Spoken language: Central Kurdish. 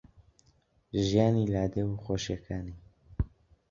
ژیانی لادێ و خۆشییەکانی